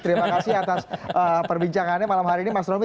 terima kasih atas perbincangannya malam hari ini mas romy